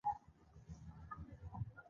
قومي او نژادي توازن هم مهم دی.